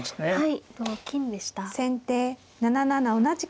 はい。